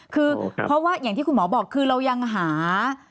คือเพราะว่าอย่างที่คุณหมอบอกคือเรายังหา